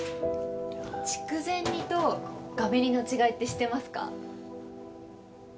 筑前煮とがめ煮の違いって知ってますか？